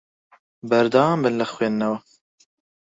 بەردەوام بن لە خوێندنەوە.